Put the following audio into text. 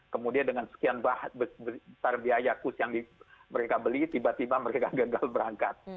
kemudian dengan sekian besar biaya kurs yang mereka beli tiba tiba mereka gagal berangkat